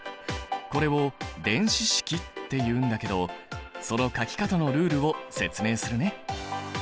これを電子式っていうんだけどその書き方のルールを説明するね。